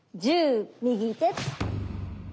１０右手。